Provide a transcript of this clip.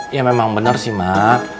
ya memang benar sih mak